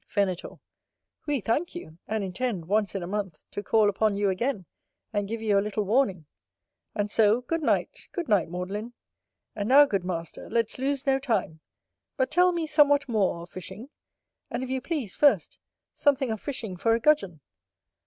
Venator. We thank you; and intend, once in a month to call upon you again, and give you a little warning; and so, good night Good night, Maudlin. And now, good master, let's lose no time: but tell me somewhat more of fishing; and if you please, first, something of fishing for a Gudgeon.